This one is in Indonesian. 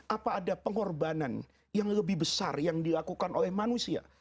apa ada pengorbanan yang lebih besar yang dilakukan oleh manusia